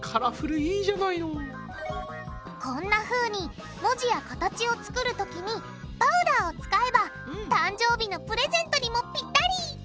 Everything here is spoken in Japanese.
こんなふうに文字や形を作るときにパウダーを使えば誕生日のプレゼントにもぴったり！